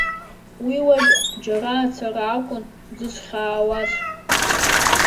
Уи уажә џьара ацара акәын дзызхьаауаз.